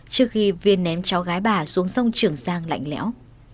trước khi viên ném cháu gái bà xuống sông trường giang lạnh lẽo